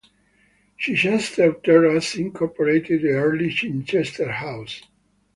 Chichester Terrace incorporated the earlier Chichester House.